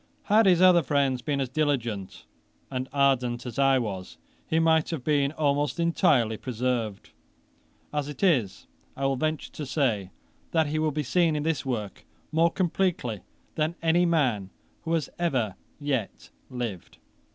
Had his other friends been as diligent and ardent as I was, he might have been almost entirely preserved. As it is, I will venture to say that he will be seen in this work more completely than any man who has ever yet lived.